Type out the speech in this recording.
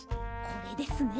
これですね。